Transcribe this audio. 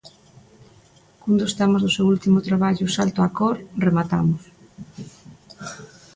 Cun dos temas dos seu último traballo 'Salto á cor' rematamos.